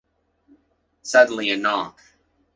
Suddenly, a knock.